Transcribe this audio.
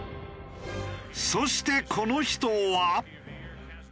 そしてこの人は。